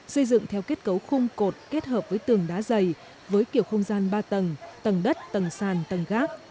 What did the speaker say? xây dựng theo kết cấu khung cột kết hợp với tường đá dày với kiểu không gian ba tầng tầng đất tầng sàn tầng gác